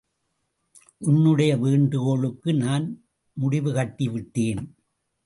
உன்னுடைய வேண்டுகோளுக்கு நான் முடிவு கட்டிவிட்டேன்.